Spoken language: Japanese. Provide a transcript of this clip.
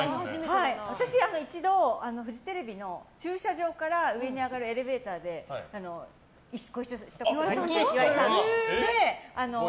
私、一度、フジテレビの駐車場から上に上がるエレベーターでご一緒したことあります岩井さんと。